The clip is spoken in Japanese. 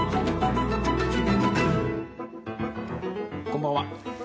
こんばんは。